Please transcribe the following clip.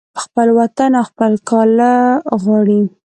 په خپل وطن او خپل کاله غواړي